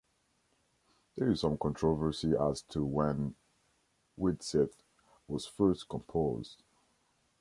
There is some controversy as to when "Widsith" was first composed.